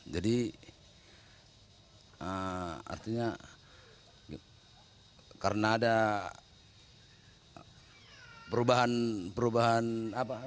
jadi artinya karena ada perubahan apa namanya itu